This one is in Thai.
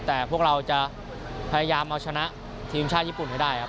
แต่พวกเราจะพยายามเอาชนะทีมชาติญี่ปุ่นให้ได้ครับ